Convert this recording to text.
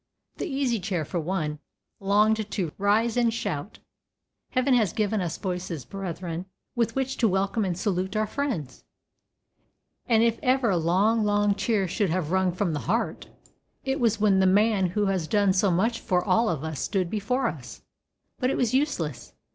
The Easy Chair, for one, longed to rise and shout. Heaven has given us voices, brethren, with which to welcome and salute our friends, and if ever a long, long cheer should have rung from the heart, it was when the man who has done so much for all of us stood before us. But it was useless.